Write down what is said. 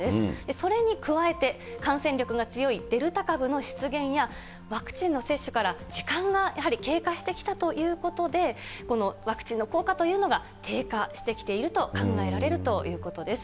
それに加えて、感染力が強いデルタ株の出現やワクチンの接種から時間がやはり経過してきたということで、このワクチンの効果というのが低下してきていると考えられるということです。